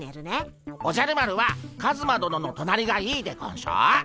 おじゃる丸はカズマどののとなりがいいでゴンショ。